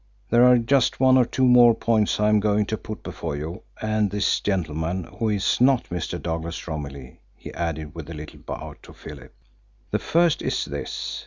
There are just one or two more points I am going to put before you and this gentleman who is not Mr. Douglas Romilly," he added, with a little bow to Philip. "The first is this.